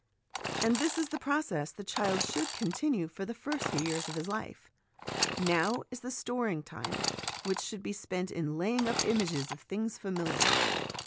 And this is the process the child should continue for the first few years of his life. Now is the storing time which should be spent in laying up images of things familiar.